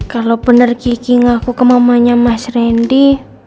kalau bener kiki ngaku ke mamanya mas randy